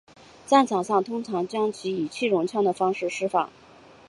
战场上通常将其以气溶胶的方式施放。